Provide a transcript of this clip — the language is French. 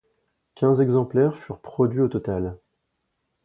Quinze exemplaires furent produits au total.